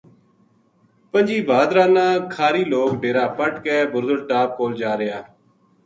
پنجی بھادرا نا کھاہری لوک ڈیرا پَٹ کے بُرزل ٹاپ کول جا رہیا